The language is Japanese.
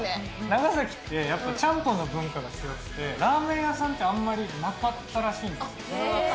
長崎ってやっぱちゃんぽんの文化が強くて、ラーメン屋さんってあんまりなかったらしいんです。